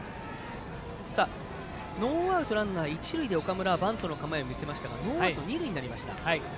ノーアウトランナー、一塁で岡村はバントの構えを見せましたがノーアウト、二塁になりました。